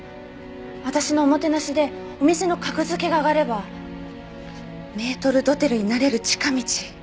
私のおもてなしでお店の格付けが上がればメートル・ドテルになれる近道。